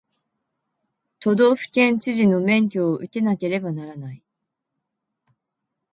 都道府県知事の免許を受けなければならない